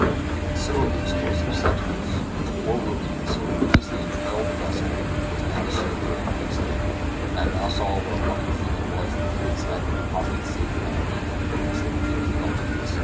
And so the explosive substance with which poor Ruby had so grievously imperiled the vessel was now to serve her in good stead, and I now saw what a lucky thing it was that the case had been deposited safely on the reef, instead of being thrown into the sea.